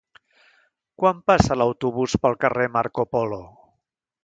Quan passa l'autobús pel carrer Marco Polo?